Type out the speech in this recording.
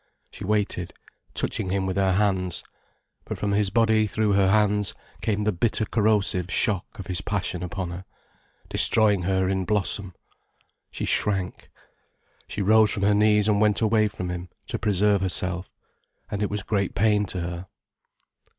She waited, touching him with her hands. But from his body through her hands came the bitter corrosive shock of his passion upon her, destroying her in blossom. She shrank. She rose from her knees and went away from him, to preserve herself. And it was great pain to her.